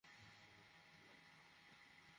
Sir, আপনাকে বিশ্বাস করে আমি অনেক মূল্য দিয়েছি।